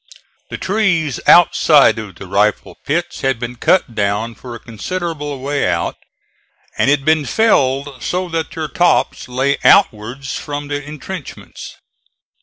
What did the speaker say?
The trees outside of the rifle pits had been cut down for a considerable way out, and had been felled so that their tops lay outwards from the intrenchments.